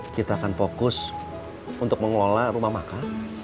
kita akan fokus untuk mengelola rumah makan